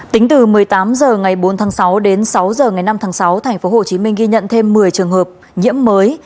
tính từ một mươi tám h ngày bốn tháng sáu đến sáu h ngày năm tháng sáu tp hcm ghi nhận thêm một mươi trường hợp nhiễm mới